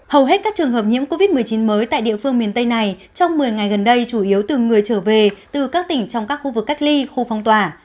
hầu hết các trường hợp nhiễm covid một mươi chín mới tại địa phương miền tây này trong một mươi ngày gần đây chủ yếu từ người trở về từ các tỉnh trong các khu vực cách ly khu phong tỏa